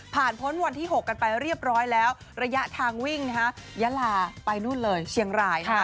พ้นวันที่๖กันไปเรียบร้อยแล้วระยะทางวิ่งนะฮะยาลาไปนู่นเลยเชียงราย